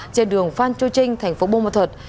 trên đường phan châu trinh thành phố bô ma thuật